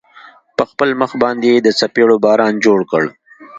په خپل مخ باندې يې د څپېړو باران جوړ كړ.